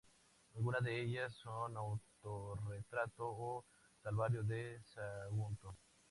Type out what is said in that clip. Algunas de ellas son "Autorretrato" o "Calvario de Sagunto".